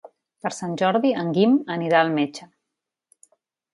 Per Sant Jordi en Guim anirà al metge.